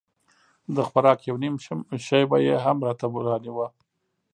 د خوراک يو نيم شى به يې هم راته رانيوه.